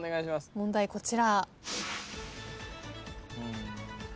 問題こちら。